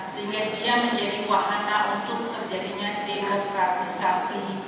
sehingga dia menjadi wahana untuk terjadinya demokratisasi